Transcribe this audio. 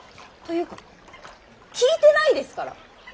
というか聞いてないですから。